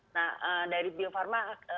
nah dari bio farma